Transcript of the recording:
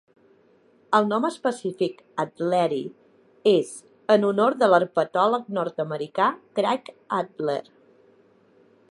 El nom específic, "adleri", és en honor de l'herpetòleg nord-americà Kraig Adler.